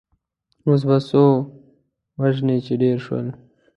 اوس به څو وژنې چې ډېر شول.